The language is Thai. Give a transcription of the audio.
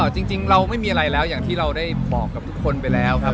จริงเราไม่มีอะไรแล้วอย่างที่เราได้บอกกับทุกคนไปแล้วครับ